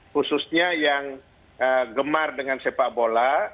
khususnya yang gemar dengan sepak bola